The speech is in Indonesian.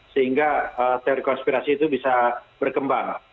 sehingga teori konspirasi itu bisa berkembang